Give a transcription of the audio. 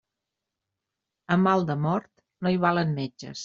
A mal de mort, no hi valen metges.